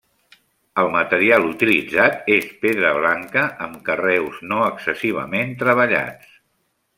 El material utilitzat és pedra blanca, amb carreus no excessivament treballats.